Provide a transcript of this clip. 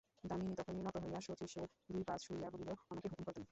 দামিনী তখনই নত হইয়া শচীশের দুই পা ছুঁইয়া বলিল, আমাকে হুকুম করো তুমি।